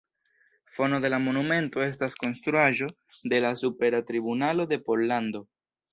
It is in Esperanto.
Fono de la monumento estas Konstruaĵo de la Supera Tribunalo de Pollando.